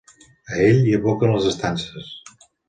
A ell hi aboquen les estances.